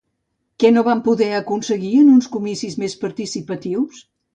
Què no van poder aconseguir en uns comicis més participatius?